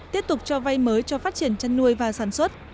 tiếp tục cho vay mới cho phát triển chăn nuôi và sản xuất